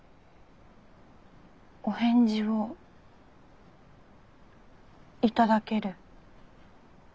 お返事を頂ける？